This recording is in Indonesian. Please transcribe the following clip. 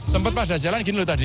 sempet pas udah jalan gini loh tadi